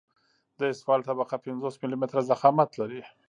د اسفالټ طبقه پنځوس ملي متره ضخامت لري